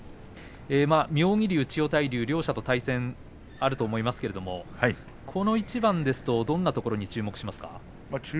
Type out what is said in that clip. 妙義龍と千代大龍両者と対戦があると思いますがこの一番ですとどんなところに注目しますか？